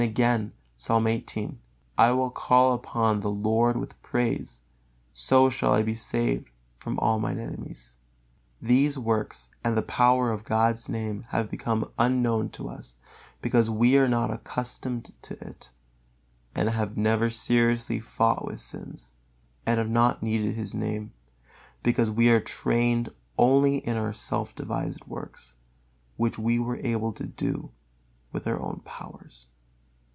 Again, Psalm xviii: "I will call upon the Lord with praise: so shall I be saved from all mine enemies." These works and the power of God's Name have become unknown to us, because we are not accustomed to it, and have never seriously fought with sins, and have not needed His Name, because we are trained only in our self devised works, which we were able to do with our own powers.